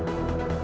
aku mau ke rumah